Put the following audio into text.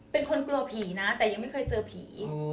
เป็นคนกลัวผีนะแต่ยังไม่เคยเจอผี